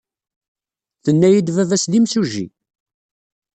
Tenna-iyi-d baba-s d imsujji.